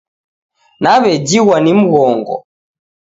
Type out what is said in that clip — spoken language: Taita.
Nawejhighwa ni mghongo